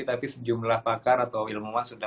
tapi sejumlah pakar atau ilmuwan sudah